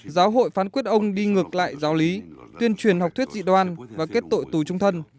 giáo hội phán quyết ông đi ngược lại giáo lý tuyên truyền học thuyết dị đoan và kết tội tù trung thân